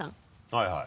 はいはい。